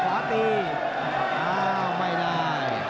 อ้าวไม่ได้